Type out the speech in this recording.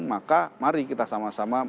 maka mari kita sama sama menjadikan momentum